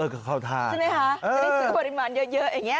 ก็เข้าท่าใช่ไหมคะจะได้ซื้อปริมาณเยอะอย่างนี้